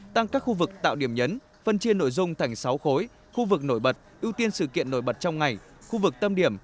tăng các khu vực tạo điểm nhấn phân chia nội dung thành sáu khối khu vực nổi bật ưu tiên sự kiện nổi bật trong ngày khu vực tâm điểm